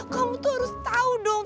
kamu tuh harus tahu dong